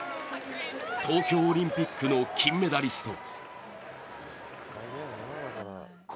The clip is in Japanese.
東京オリンピックの金メダリスト。